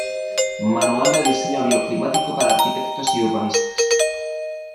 Manual de diseño bioclimático para arquitectos y urbanistas".